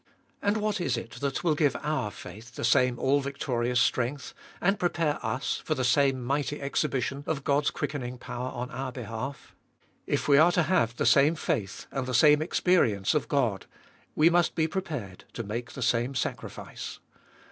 And what is it that will give our faith the same all victorious strength, and prepare us for the same mighty exhibition of God's quickening power on our behalf? If we are to have the same faith, and the same experience of God, we must be prepared to make the same sacrifice.